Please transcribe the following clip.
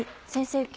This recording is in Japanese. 先生